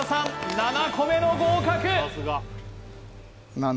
７個目の合格